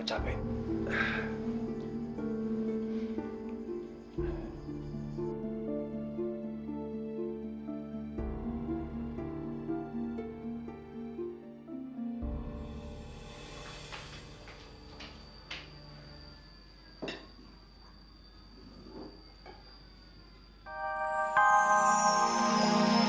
udah tidur sana